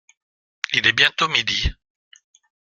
Il est bientôt midi…